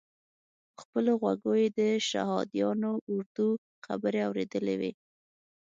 په خپلو غوږو یې د شهادیانو اردو خبرې اورېدلې وې.